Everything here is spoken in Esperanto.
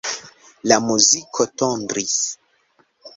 La muziko tondris.